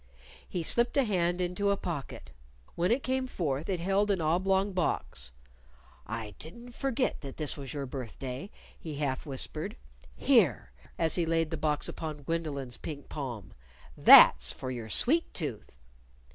He slipped a hand into a pocket. When it came forth, it held an oblong box. "I didn't forget that this was your birthday," he half whispered. "Here!" as he laid the box upon Gwendolyn's pink palm "that's for your sweet tooth!"